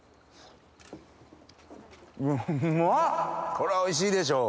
これはおいしいでしょう。